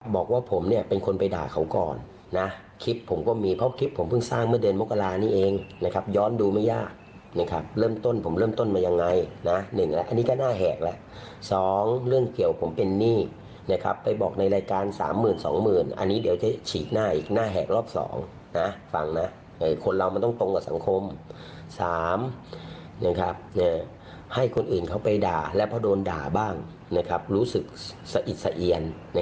บอกว่าผมเนี่ยเป็นคนไปด่าเขาก่อนนะคลิปผมก็มีเพราะคลิปผมเพิ่งสร้างเมื่อเดือนมกรานี่เองนะครับย้อนดูไม่ยากนะครับเริ่มต้นผมเริ่มต้นมายังไงนะหนึ่งอันนี้ก็หน้าแหกแล้วสองเรื่องเกี่ยวผมเป็นนี่นะครับไปบอกในรายการสามหมื่นสองหมื่นอันนี้เดี๋ยวจะฉีกหน้าอีกหน้าแหกรอบสองนะฟังนะคนเรามันต้องตรงกับสังคมสามนะครับให้